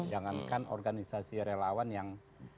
jangankan organisasi relawan yang